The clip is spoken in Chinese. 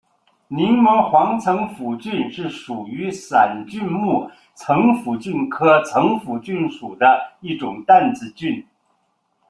柠檬黄层腹菌是属于伞菌目层腹菌科层腹菌属的一种担子菌。